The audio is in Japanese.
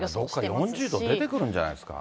どこか４０度出てくるんじゃないですか。